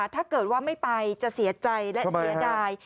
ถ้าเกิดว่าไม่ไปจะเสียใจและเสียดาย